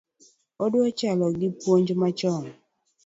Odua chalo gi puonj macho